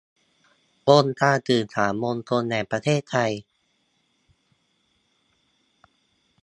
องค์การสื่อสารมวลชนแห่งประเทศไทย